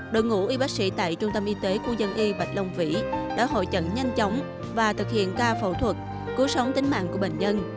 đội ngũ y bác sĩ tại trung tâm y tế quân dân y bạch long vĩ đã hội trận nhanh chóng và thực hiện ca phẫu thuật cứu sống tính mạng của bệnh nhân